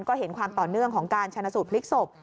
ก็เห็นความต่อเนื่องของการชนะสูตรพลิกศพ